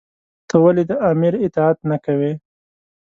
تۀ ولې د آمر اطاعت نۀ کوې؟